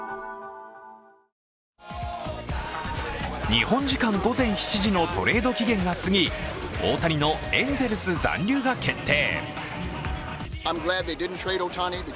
日本時間午前７時のトレード期限が過ぎ大谷のエンゼルス残留が決定。